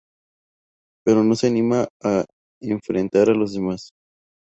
Pero no se anima a enfrentar a los demás.